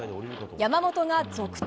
山本が続投。